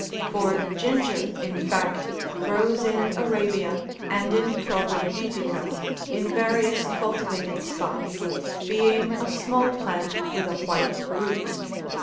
For ginger, in fact, grows in Arabia and . in Troglodytica, in various cultivated spots, being a small plant50 with a white root.